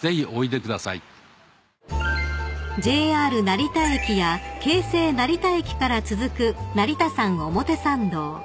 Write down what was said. ［ＪＲ成田駅や京成成田駅から続く成田山表参道］